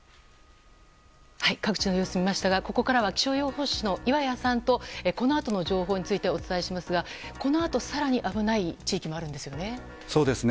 各地の様子を見ましたがここからは気象予報士の岩谷さんとこのあとの情報についてお伝えしますがこのあと更に危ない地域もあるんですよね。